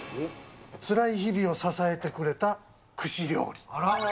つらい日々を支えてくれた串料理。